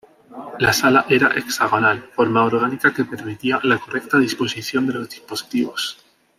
La sala era hexagonal, forma orgánica que permitía la correcta disposición de los dispositivos.